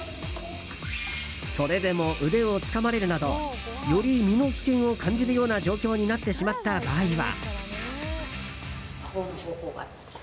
それでも腕をつかまれるなどより身の危険を感じるような状況になってしまった場合は。